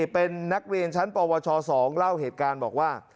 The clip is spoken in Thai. เป็นนักเรียนชั้นปวช๒เล่าเหตุการณ์บอกว่า